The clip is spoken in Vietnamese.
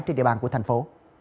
trên địa bàn của thành phố